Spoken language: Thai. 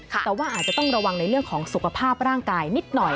แต่ว่าอาจจะต้องระวังในเรื่องของสุขภาพร่างกายนิดหน่อย